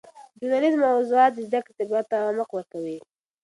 د ټولنې موضوعات د زده کړې طبیعت ته عمق ورکوي.